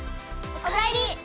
お帰り！